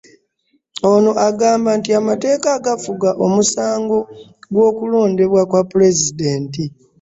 Ono agamba nti amateeka agafuga omusango gw'okulondebwa kwa Pulezidenti